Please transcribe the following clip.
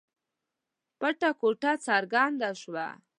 پټه ګوته څرګنده شوه.